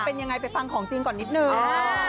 เป็นยังไงไปฟังของจริงก่อนนิดนึง